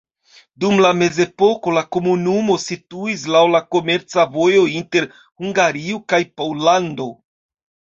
Dum la mezepoko la komunumo situis laŭ la komerca vojo inter Hungario kaj Pollando.